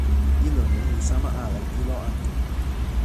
ilo ni li sama ala ilo ante.